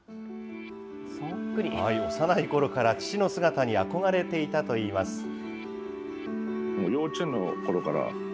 幼いころから父の姿に憧れていたといいます。